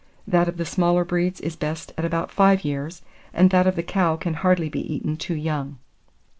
That of the smaller breeds is best at about five years, and that of the cow can hardly be eaten too young.